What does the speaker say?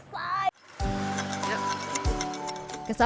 kesabaran saya akhirnya membuahkan hasil